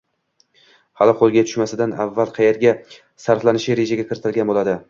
hali qo‘lga tushmasidan avval qayerga sarflanishi rejaga kiritilgan bo‘ladi.